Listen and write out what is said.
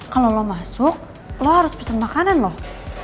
kalau lo masuk lo harus pesen makanan loh